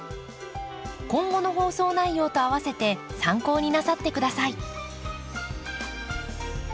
今後の放送内容とあわせて参考になさって下さい。